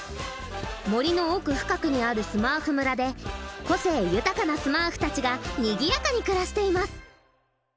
森の奥深くにあるスマーフ村で個性豊かなスマーフたちがにぎやかに暮らしています。